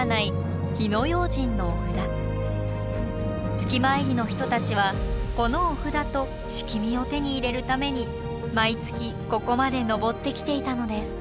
月参りの人たちはこのお札と樒を手に入れるために毎月ここまで登ってきていたのです。